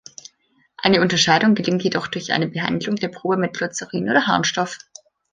Eine Unterscheidung gelingt jedoch durch eine Behandlung der Probe mit Glycerin oder Harnstoff.